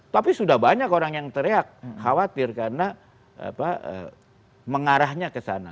tapi sudah banyak orang yang teriak khawatir karena mengarahnya ke sana